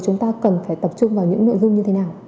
chúng ta cần phải tập trung vào những nội dung như thế nào